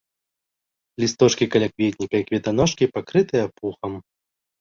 Лісточкі калякветніка і кветаножкі пакрытыя пухам.